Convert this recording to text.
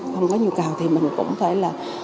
không có nhu cầu thì mình cũng phải là